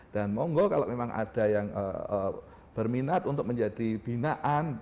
dan moonggo kalau memang ada yang berminat untuk menjadi binaan